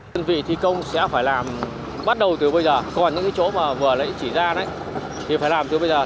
công ty thi công sẽ phải làm bắt đầu từ bây giờ còn những chỗ vừa lấy chỉ ra thì phải làm từ bây giờ